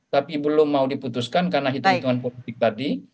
tapi belum mau diputuskan karena hitung hitungan politik tadi